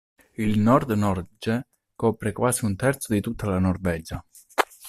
Il Nord-Norge copre quasi un terzo di tutta la Norvegia.